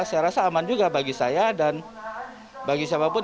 saya rasa aman juga bagi saya dan bagi siapapun